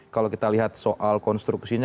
kalau kita lihat soal konstruksinya